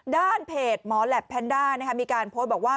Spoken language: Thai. ด้านเพจหมอแหลปแพนด้ามีการโพสต์บอกว่า